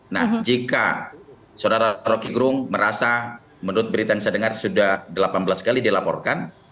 nah jika saudara rocky gerung merasa menurut berita yang saya dengar sudah delapan belas kali dilaporkan